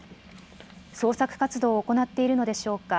捜索活動を行っているのでしょうか